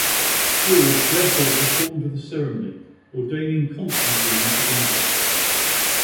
George therefore performed the ceremony, ordaining Constantine as a monk.